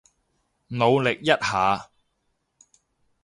努力一下